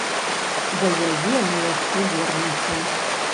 Да яе мы яшчэ вернемся.